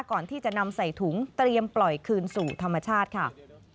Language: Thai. ก่อนที่จะนำใส่ถุงเตรียมปล่อยคืนสู่ธรรมชาติค่ะ